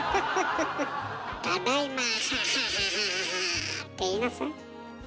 「ただいまハハハハ！」って言いなさい。